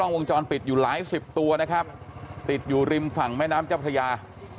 วงจรปิดอยู่หลายสิบตัวนะครับติดอยู่ริมฝั่งแม่น้ำเจ้าพระยา